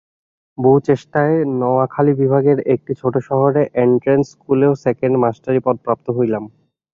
বহু চেষ্টায় নওয়াখালি বিভাগের একটি ছোটো শহরে এন্ট্রেন্স স্কুলের সেকেণ্ড মাস্টারি পদ প্রাপ্ত হইলাম।